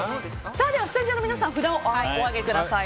では、スタジオの皆さん札をお上げください。